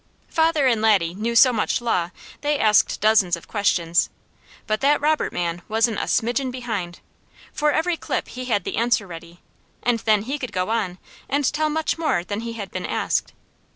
Father and Laddie knew so much law they asked dozens of questions; but that Robert man wasn't a smidgin behind, for every clip he had the answer ready, and then he could go on and tell much more than he had been asked.